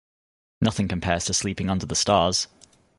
Nothing compares to sleeping under the stars!